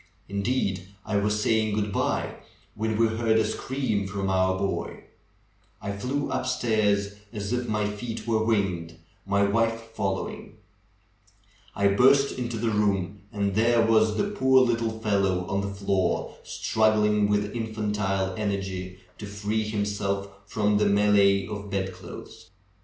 Indeed, I was saying good by, when we heard a scream from our boy. I flew upstairs as if my feet 162 THE BEND OF THE HILL were winged, my wife following. I burst into the room and there was the poor little fellow on the floor, strug gling with infantile energy to free himself from the melee of bedclothes.